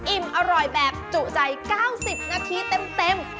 อิ่มอร่อยแบบจุใจ๙๐นาทีเต็ม